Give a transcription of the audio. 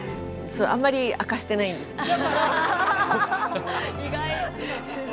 あんまり明かしてないんですけど。